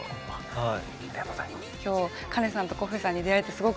はい！